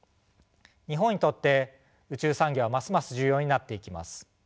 日本にとって宇宙産業はますます重要になっていきます。